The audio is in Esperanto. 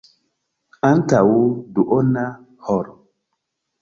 Antaŭ duona horo.